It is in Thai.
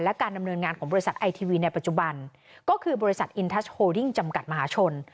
และการดำเนินงานของบริษัทไอทีวีในปัจจุบันก็คือบริษัทอินทโฮดิ้งจำกัดมหาชน